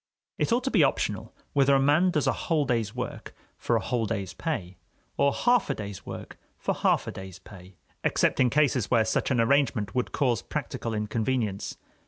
It ought to be optional whether a man does a whole day's work for a whole day's pay, or half a day's work for half a day's pay, except in cases where such an arrangement would cause practical inconvenience.